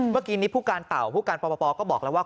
เมื่อกี้นี้ผู้การเต่าผู้การปปก็บอกแล้วว่า